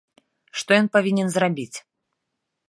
Што ён павінен зрабіць?